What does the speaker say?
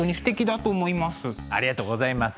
ありがとうございます。